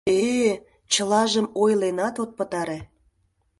Э-э, чылажым ойленат от пытаре!